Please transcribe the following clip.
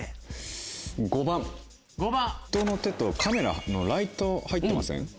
５番人の手とカメラのライト入ってません？